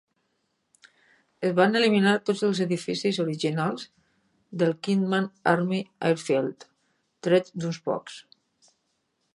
Es van eliminar tots els edificis originals del Kingman Army Airfield, tret d'uns pocs.